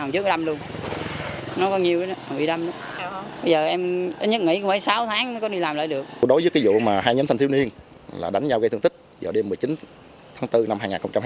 trong lúc mà hai nhóm thanh thiếu niên đánh nhau gây thương tích vào đêm một mươi chín tháng bốn năm hai nghìn hai mươi